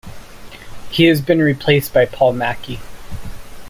He has been replaced by Paul Mackie.